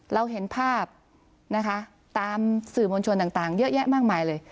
เราเห็นภาพนะคะตามสื่อมวลชนต่างเยอะแยะมากมายเลย